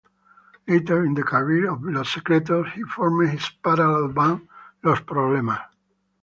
Later in the career of Los Secretos, he formed his parallel band "Los Problemas".